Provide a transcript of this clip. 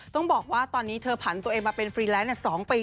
ต้องบอกว่าตอนนี้เธอผันตัวเองมาเป็นฟรีแลนซ์๒ปี